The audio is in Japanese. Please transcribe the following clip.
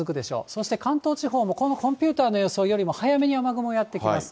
そして関東地方も、このコンピューターの予想よりも、早めに雨雲、やって来ます。